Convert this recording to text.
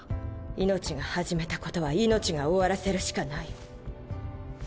命が始めたことは命が終わらせるしかない。